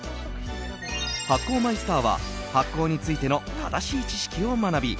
発酵マイスターは発酵についての正しい知識を学び